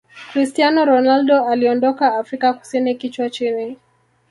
cristiano ronaldo aliondoka afrika kusini kichwa chini